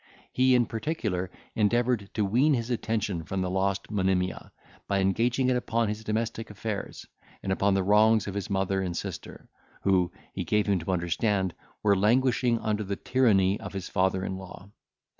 He in particular endeavoured to wean his attention from the lost Monimia, by engaging it upon his domestic affairs, and upon the wrongs of his mother and sister, who, he gave him to understand, were languishing under the tyranny of his father in law.